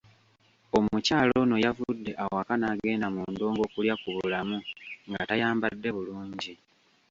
Omukyala ono yavude awaka n'agenda mu ndongo okulya kubulamu nga tayambadde bulungi.